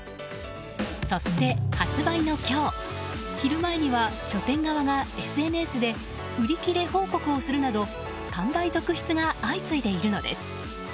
そして発売の今日昼前には書店側がＳＮＳで売り切れ報告をするなど完売続出が相次いでいるのです。